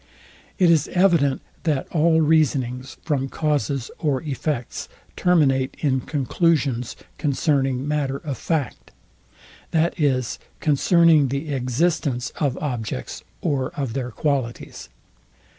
It is evident, that all reasonings from causes or effects terminate in conclusions, concerning matter of fact; that is, concerning the existence of objects or of their qualities.